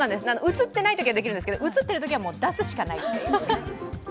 映ってないときはできるんですけど、映っているときはもう出すしかないと。